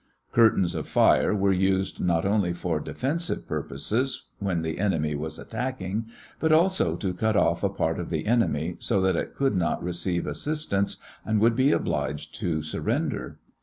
Curtains of fire were used not only for defensive purposes when the enemy was attacking, but also to cut off a part of the enemy so that it could not receive assistance and would be obliged to surrender.